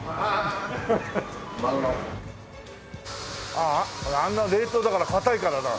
あああんな冷凍だから硬いからなあ。